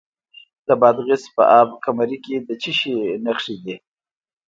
د بادغیس په اب کمري کې د څه شي نښې دي؟